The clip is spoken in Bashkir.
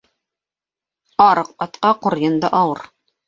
Арыҡ атҡа ҡурйын да ауыр.